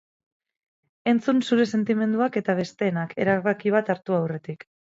Entzun zure sentimenduak eta besteenak, erabaki bat hartu aurretik.